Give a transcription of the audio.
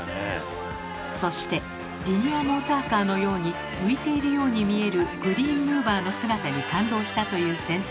そしてリニアモーターカーのように浮いているように見えるグリーンムーバーの姿に感動したという先生。